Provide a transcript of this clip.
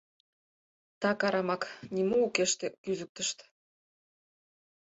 — Так арамак, нимо укеште кӱзыктышт.